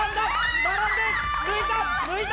抜いた。